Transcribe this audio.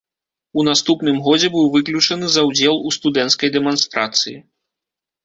У наступным годзе быў выключаны за ўдзел у студэнцкай дэманстрацыі.